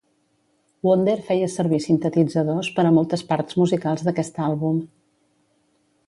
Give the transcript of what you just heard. Wonder feia servir sintetitzadors per a moltes parts musicals d'aquest àlbum.